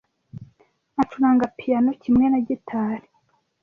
Acuranga piyano kimwe na gitari.